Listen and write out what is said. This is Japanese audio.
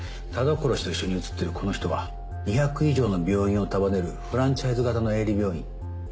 田所氏と一緒に写ってるこの人は２００以上の病院を束ねるフランチャイズ型の営利病院